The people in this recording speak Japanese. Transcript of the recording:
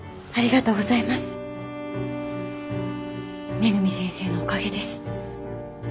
恵先生のおかげです。